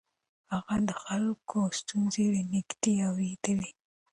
هغه د خلکو ستونزې له نږدې اورېدلې.